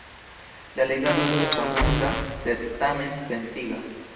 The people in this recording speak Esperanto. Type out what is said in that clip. La legado estas amuza sed, tamen, pensiga.